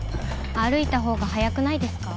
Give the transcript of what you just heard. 歩いたほうが早くないですか？